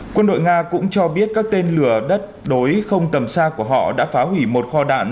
quân đội nga cũng cho biết các tên lửa đất đối không tầm xa của họ đã phá hủy một kho đạn